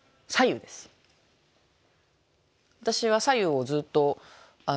私は白湯をずっと。